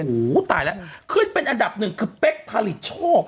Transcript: โหตายแล้วขึ้นเป็นอันดับ๑คือเป๊กผลิตโชค